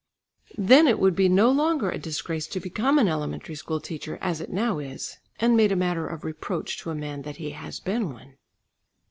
Then it would be no longer a disgrace to become an elementary school teacher as it now is, and made a matter of reproach to a man that he has been one.